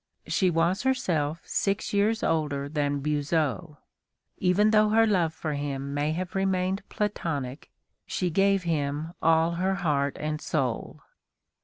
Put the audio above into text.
She was herself six years older than Buzot. Even though her love for him may have remained Platonic, she gave him all her heart and soul.